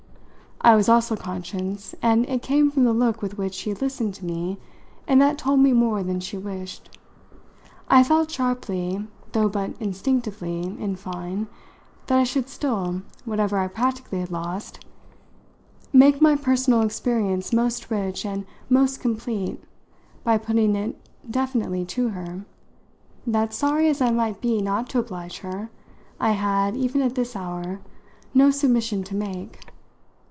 I was also conscious and it came from the look with which she listened to me and that told me more than she wished I felt sharply, though but instinctively, in fine, that I should still, whatever I practically had lost, make my personal experience most rich and most complete by putting it definitely to her that, sorry as I might be not to oblige her, I had, even at this hour, no submission to make.